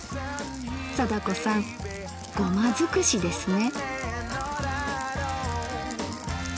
貞子さんゴマづくしですね！